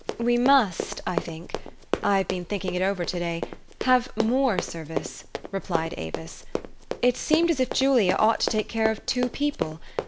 "We must, I think, I have been thinking it over to day, have more service," replied Avis. " It seemed as if Julia ought to take care of two people.